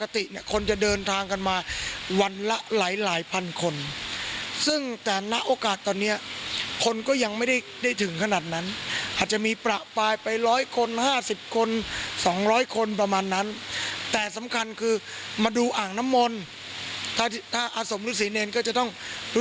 ต้องตรวจวัดไข้ต้องใช้เจลล้างมือต้องใส่แมตร